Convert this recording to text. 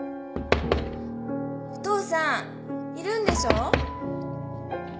お父さんいるんでしょ？